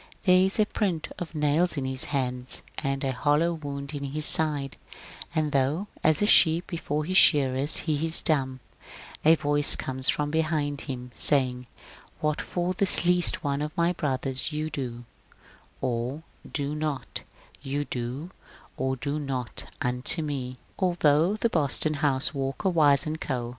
There is a print of nails in his hands, and a hollow wound in his side ; and though as a sheep before his shearers he is dumb, a voice comes from behind him, saying, ^^ What for this least one of my brothers you do or do not, you do or do not unto me." Although the Boston house (Walker, Wise & Co.)